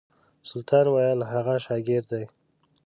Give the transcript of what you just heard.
سلطان ویل هغه شاګرد دی.